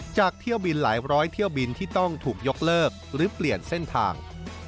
เที่ยวบินหลายร้อยเที่ยวบินที่ต้องถูกยกเลิกหรือเปลี่ยนเส้นทาง